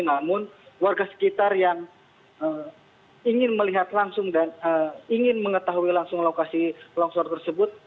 namun warga sekitar yang ingin melihat langsung dan ingin mengetahui langsung lokasi longsor tersebut